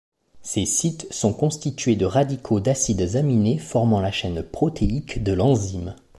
Ces sites sont constitués de radicaux d'acides aminés formant la chaine protéique de l'enzyme.